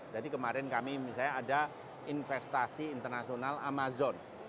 jadi kemarin kami misalnya ada investasi internasional amazon